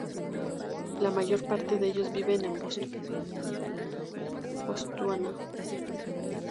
La mayor parte de ellos viven en Botsuana.